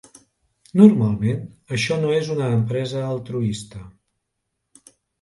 Normalment, això no és una empresa altruista.